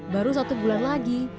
baru satu bulan lagi